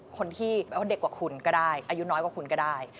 คนที่แปลว่าเด็กกว่าคุณก็ได้อายุน้อยกว่าคุณก็ได้